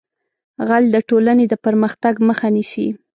غل د ټولنې د پرمختګ مخه نیسي